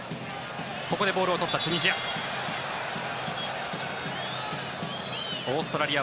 ここでボールを取ったチュニジア。